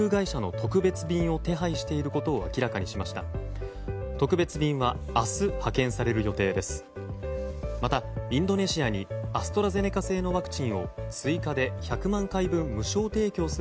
特別便は明日、派遣される予定です。